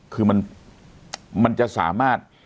คือมันจะสามารถ